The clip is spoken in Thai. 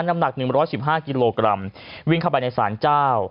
น้ำหนัก๑๑๕กิโลกรัมวิ่งเข้าไปในศาลเจ้า